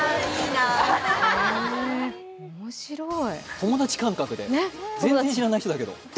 友達感覚で、全然知らない人だけど。